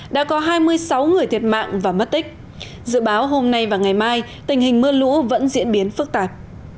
đã có hai mươi sáu người thiệt mạng và mất tích dự báo hôm nay và ngày mai tình hình mưa lũ vẫn diễn biến phức tạp